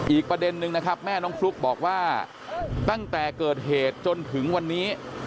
อีกประเด็นนึงนะครับแม่น้องฟลุ๊กบอกว่าตั้งแต่เกิดเหตุจนถึงวันนี้